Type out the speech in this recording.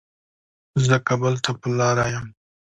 زه کابل ته په لاره يم